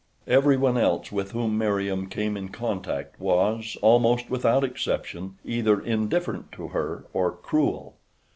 Everyone else with whom Meriem came in contact was, almost without exception, either indifferent to her or cruel.